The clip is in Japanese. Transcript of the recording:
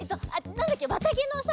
なんだっけわたげのさ。